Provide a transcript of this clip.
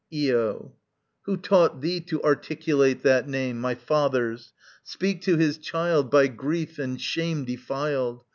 Io. Who taught thee to articulate that name, My father's? Speak to his child By grief and shame defiled!